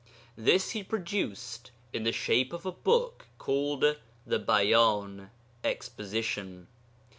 This he produced in the shape of a book called The Bayan (Exposition).